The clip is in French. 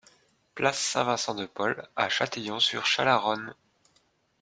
Place Saint-Vincent de Paul à Châtillon-sur-Chalaronne